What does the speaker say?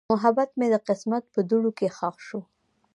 محبت مې د قسمت په دوړو کې ښخ شو.